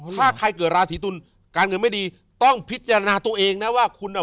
ถ้าใครเกิดราศีตุลการเงินไม่ดีต้องพิจารณาตัวเองนะว่าคุณอ่ะ